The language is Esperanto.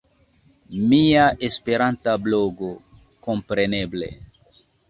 Mia esperanta blogo, kompreneble!